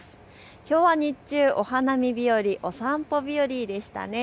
きょうは日中、お花見日和お散歩日和でしたね。